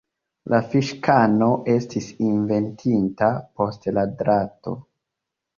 La fiŝkano estis inventita post la drato.